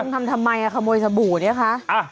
ทำทำไมขโมยสบู่เนี่ยคะ